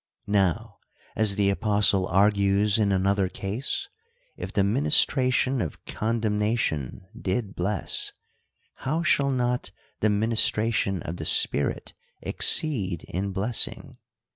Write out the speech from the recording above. Now, as the apostle argues in another case, if the ministration of condemnation did bless, how shall not the ministration of the Spirit exceed in blessing